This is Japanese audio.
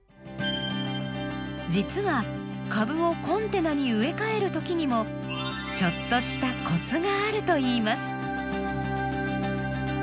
実は株をコンテナに植え替えるときにもちょっとしたコツがあるといいます。